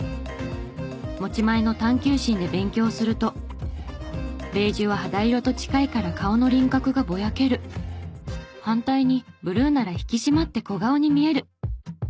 持ち前の探究心で勉強するとベージュは肌色と近いから顔の輪郭がぼやける反対にブルーなら引き締まって小顔に見える。